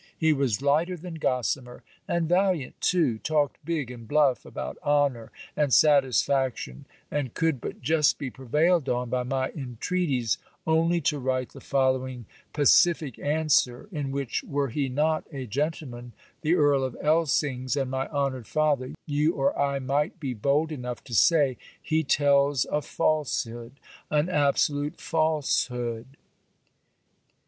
He was lighter than Gossamer. And valiant too! talked big and bluff about honour, and satisfaction and could but just be prevailed on by my intreaties only to write the following pacific answer, in which, were he not a gentleman, the Earl of Elsings, and my honoured father, you or I might be bold enough to say He tells a falsehood, an absolute falsehood.